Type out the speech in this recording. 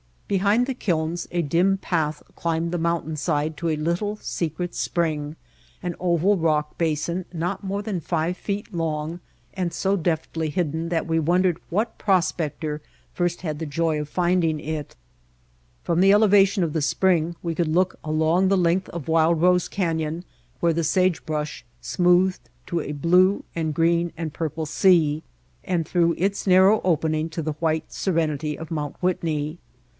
Behind the kilns a dim path climbed the moun tain side to a little, secret spring, an oval rock basin not more than five feet long and so deftly hidden that we wondered what prospector first had the joy of finding it. From the elevation of White Heart of Mojave the spring we could look along the length of Wild Rose Canyon, where the sagebrush smoothed to a blue and green and purple sea, and through its narrow opening to the white serenity of Mount Whitney.